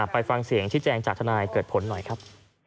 ไปฟังเสียงชี้แจงจากทนายเกิดผลหน่อยครับ